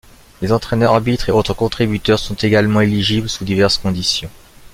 Les entraîneurs, arbitres et autres contributeurs sont également éligibles sous diverses conditions.